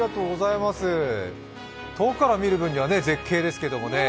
遠くから見る分には絶景ですけどね